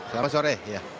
selamat sore ya